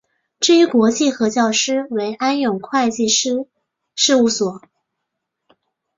至于国际核数师为安永会计师事务所。